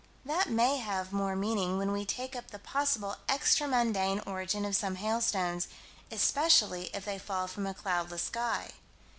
That may have more meaning when we take up the possible extra mundane origin of some hailstones, especially if they fall from a cloudless sky.